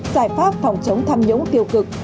giải pháp phòng chống tham nhũng tiêu cực